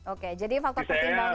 oke jadi faktor pertimbangannya